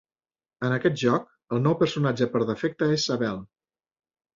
En aquest joc, el nou personatge per defecte és Abel.